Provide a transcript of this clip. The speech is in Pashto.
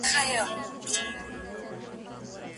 دنیادار ډیري پیسې وې جمع کړي